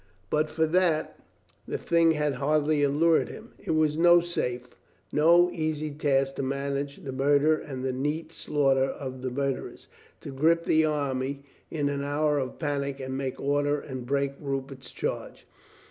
But for that, the thing had hardly allured him. It was no safe, no easy task to manage the murder and the neat slaughter of the murderers, to grip the army in an hour of panic and make order and break Rupert's charge.